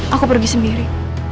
aku pergi sendiri